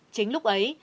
chính lúc ấy